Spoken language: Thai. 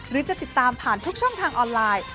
หรือจะติดตามผ่านทุกช่องทางออนไลน์